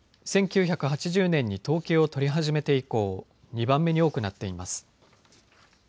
１９８０年に統計を取り始めて以降２番目に多くなっています。